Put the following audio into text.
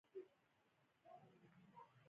دې درد هغه د نړۍ پر یوه ستر لیکوال بدل کړ